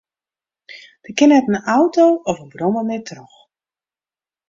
Der kin net in auto of in brommer mear troch.